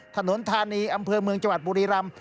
ถนนธานีอำเภอเมืองจังหวัดบุรีรำ